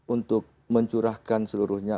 untuk mencurahkan seluruhnya